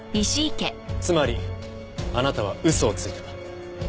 つまりあなたは嘘をついた。